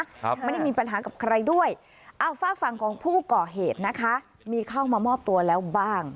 ครับไม่ได้มีปัญหากับใครด้วยอ้าวฝากฝั่งของผู้ก่อเหตุนะคะมีเข้ามามอบตัวแล้วบ้าง